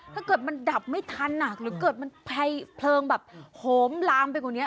ถ้าเกิดมันดับไม่ทันหรือเกิดมันเพลิงแบบโหมลามไปกว่านี้